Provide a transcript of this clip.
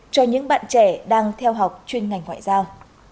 cho những bạn trẻ đang theo học chuyên ngành ngoại giao